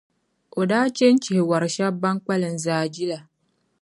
o daa chɛ n-chihi wɔr’ shɛba bɛn kpalim zaa jila.